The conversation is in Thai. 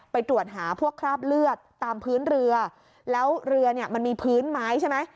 ไปตรวจหาพวกคราบเลือดตามพื้นเรือแล้วเรือเนี่ยมันมีพื้นไม้ใช่ไหม